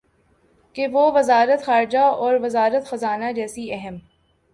کہ وہ وزارت خارجہ اور وزارت خزانہ جیسی اہم